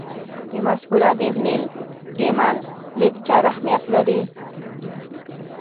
د مشهور ادیب نیل ګیمن لیکچر اهمیت لري.